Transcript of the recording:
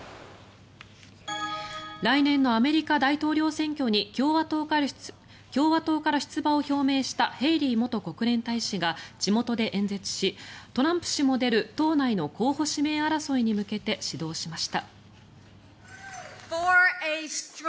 来年のアメリカ大統領選挙に共和党から出馬を表明したヘイリー元国連大使が地元で演説しトランプ氏も出る党内の候補指名争いに向けて始動しました。